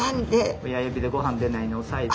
親指でごはん出ないようにおさえて。